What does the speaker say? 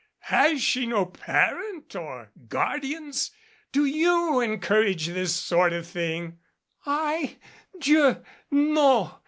Has she no parent or guard ians? Do you encourage this sort of thing?" "I Dieu! No